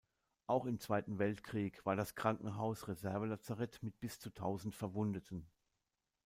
Auch im Zweiten Weltkrieg war das Krankenhaus Reservelazarett mit bis zu tausend Verwundeten.